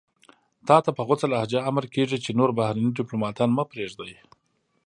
تاته په غوڅه لهجه امر کېږي چې نور بهرني دیپلوماتان مه پرېږدئ.